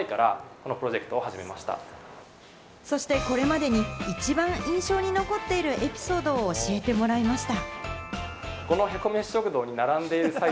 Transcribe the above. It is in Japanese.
そしてこれまでに一番印象に残っているエピソードを教えてもらいました。